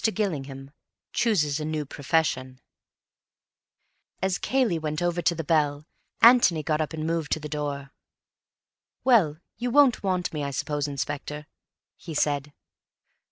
Gillingham Chooses a New Profession As Cayley went over to the bell, Antony got up and moved to the door. "Well, you won't want me, I suppose, inspector," he said.